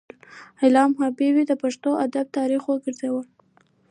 علامه حبيبي د پښتو ادب تاریخ وڅیړه.